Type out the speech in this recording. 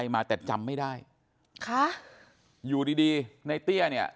มาแต่จำไม่ได้ค่ะอยู่ดีดีในเตี้ยเนี่ย